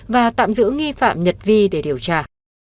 và tạm giữ nghi phạm nhật vi để điều tra